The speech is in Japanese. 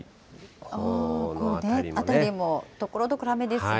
この辺りもところどころ雨ですね。